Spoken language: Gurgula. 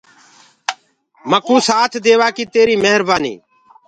مڪو سآٿ ديوآ ڪي تيري مهربآني